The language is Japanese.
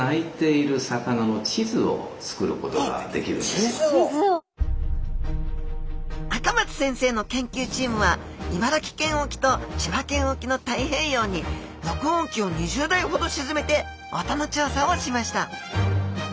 例えば赤松先生の研究チームは茨城県沖と千葉県沖の太平洋に録音機を２０台ほど沈めて音の調査をしました。